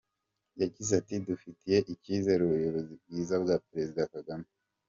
Yagize ati “Dufitiye icyizere ubuyobozi bwiza bwa Perezida Kagame.